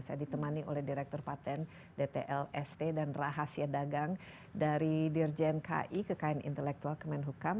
saya ditemani oleh direktur paten dtlst dan rahasia dagang dari dirjen ki kekayaan intelektual kemenhukam